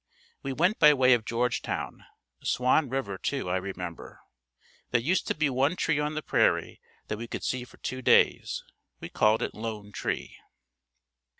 We went by way of Georgetown. Swan river, too, I remember. There used to be one tree on the prairie that we could see for two days. We called it Lone Tree.